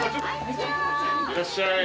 いらっしゃい。